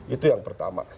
itu yang pertama